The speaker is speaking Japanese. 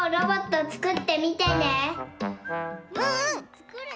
つくるね。